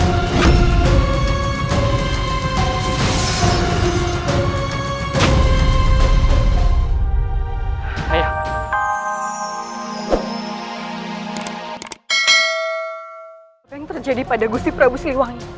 apa yang terjadi pada gusi prabu siliwangi